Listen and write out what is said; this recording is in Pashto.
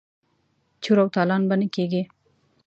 چور او تالان به نه کیږي.